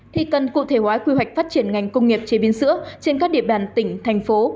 thì cần cụ thể hóa quy hoạch phát triển ngành công nghiệp chế biến sữa trên các địa bàn tỉnh thành phố